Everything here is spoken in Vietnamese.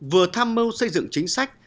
vừa tham mưu xây dựng chính sách